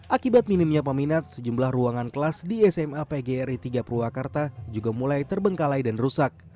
akibat minimnya peminat sejumlah ruangan kelas di sma pgri tiga purwakarta juga mulai terbengkalai dan rusak